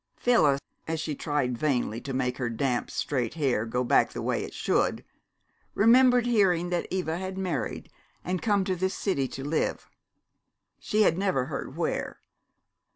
Phyllis, as she tried vainly to make her damp, straight hair go back the way it should, remembered hearing that Eva had married and come to this city to live. She had never heard where.